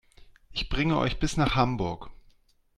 Ich bringe euch bis nach Hamburg